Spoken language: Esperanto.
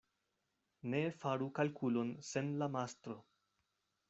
Ne faru kalkulon sen la mastro.